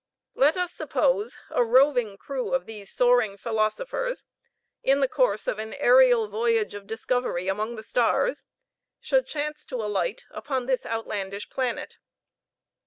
Let us suppose a roving crew of these soaring philosophers, in the course of an aerial voyage of discovery among the stars, should chance to alight upon this outlandish planet.